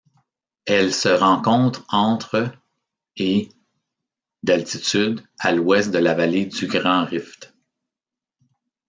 Elle se rencontre entre et d'altitude à l'ouest de la vallée du grand rift.